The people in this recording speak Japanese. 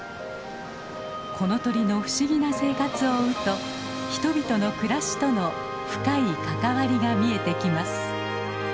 この鳥の不思議な生活を追うと人々の暮らしとの深い関わりが見えてきます。